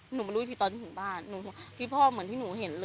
หนูมารู้สิตอนที่ถึงบ้านหนูที่พ่อเหมือนที่หนูเห็นเลย